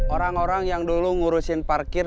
orang orang yang dulu ngurusin parkir